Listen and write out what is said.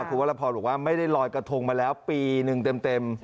คุณวรพรบอกว่าไม่ได้ลอยกระทงมาแล้วปีหนึ่งเต็ม